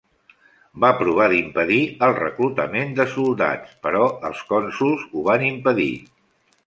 Va provar d'impedir el reclutament de soldats, però els cònsols ho van impedir.